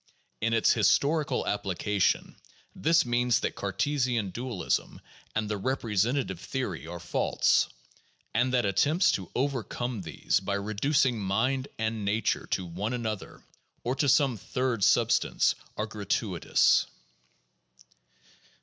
In its historical application, this means that Cartesian dualism and the representative theory are false; and that attempts to over come these by reducing mind and nature to one another or to some third substance, are gratuitous.